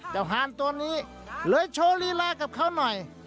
ฮานตัวนี้เลยโชว์ลีลากับเขาหน่อย